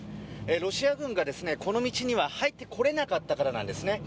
ロシア軍が、この道には入ってこれなかったからなんですね。